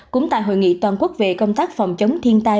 cũng tại hội nghị toàn quốc về công tác phòng chống thiên tai